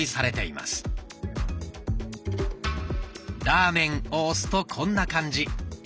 「ラーメン」を押すとこんな感じ。